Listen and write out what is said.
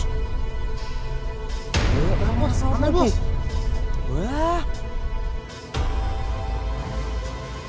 tidak ada kamera soal lagi